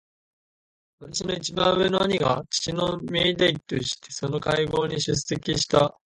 私の一番上の兄が父の名代としてその会合に出席した。